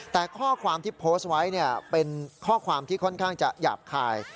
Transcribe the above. แต่ข้อความที่โพสต์ไว้เป็นข้อความที่ค่อนข้างจะหยาบคาย